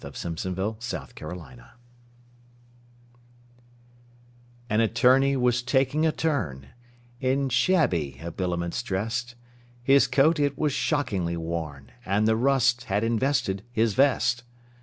THE BRIEFLESS BARRISTER A BALLAD N Attorney was taking a turn, In shabby habiliments drest; His coat it was shockingly worn, And the rust had invested his vest.